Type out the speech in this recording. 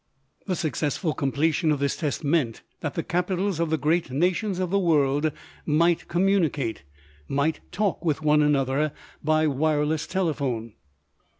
The successful completion of this test meant that the capitals of the great nations of the world might communicate, might talk with one another, by wireless telephone.